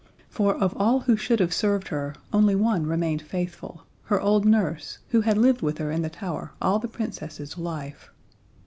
For of all who should have served her, only one remained faithful her old nurse, who had lived with her in the tower all the Princess's life.